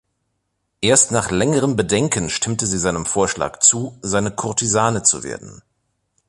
Erst nach längerem Bedenken stimmt sie seinem Vorschlag zu, seine Kurtisane zu werden.